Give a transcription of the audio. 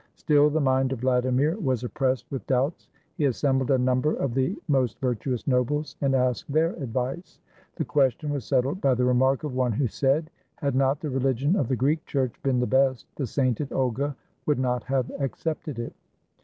Still the mind of Vladimir was oppressed with doubts. He assembled a number of the most virtuous nobles and asked their advice. The question was settled by the remark of one who said, "Had not the reHgion of the Greek Church been the best, the sainted Olga would not have accepted it."